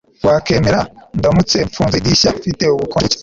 wakwemera ndamutse mfunze idirishya? mfite ubukonje buke